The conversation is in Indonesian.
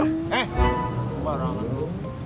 eh kemana orang orang dulu